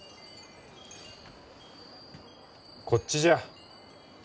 こっちじゃ。